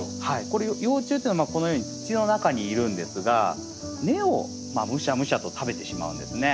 これ幼虫っていうのはこのように土の中にいるんですが根をむしゃむしゃと食べてしまうんですね。